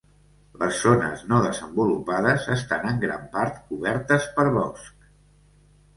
Les zones no desenvolupades estan en gran part cobertes per bosc.